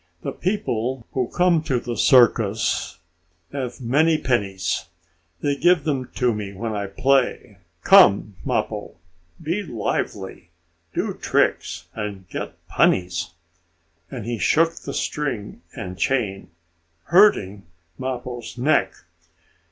"The people who come to the circus have many pennies. They give them to me when I play. Come, Mappo, be lively do tricks and get the pennies," and he shook the string and chain, hurting Mappo's neck.